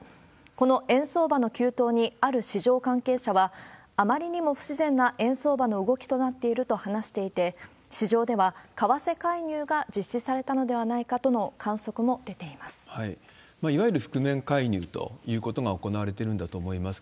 この円相場の急騰に、ある市場関係者は、あまりにも不自然な円相場の動きとなっていると話していて、市場では、為替介入が実施されたのではないかとの観測も出ています。